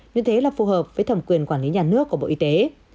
như thế là phù hợp với thẩm quyền quản lý nhà nước của bộ y tế